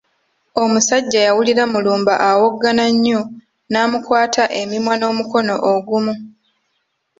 Omusajja yawulira Mulumba awoggana nnyo n'amukwata emimwa n’omukono ogumu.